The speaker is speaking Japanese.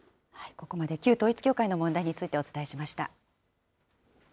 ここまで旧統一教会の問題についてお伝えしました。